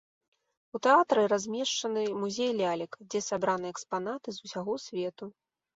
У тэатры размешчаны музей лялек, дзе сабраны экспанаты з усяго свету.